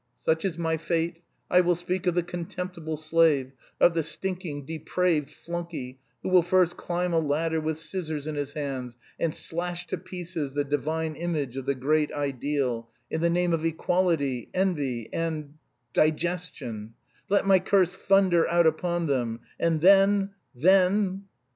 "Such is my fate. I will speak of the contemptible slave, of the stinking, depraved flunkey who will first climb a ladder with scissors in his hands, and slash to pieces the divine image of the great ideal, in the name of equality, envy, and... digestion. Let my curse thunder out upon them, and then then..."